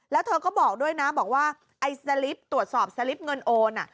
แล้วเธอก็บอกด้วยนะบอกว่าไอ้สลิปตรวจสอบสลิปเงินโอน